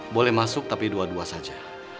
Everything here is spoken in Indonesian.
boleh masuk tapi dua dua saja